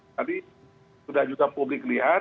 tadi sudah juga publik lihat